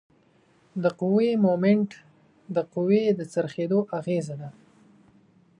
د قوې مومنټ د قوې د څرخیدو اغیزه ده.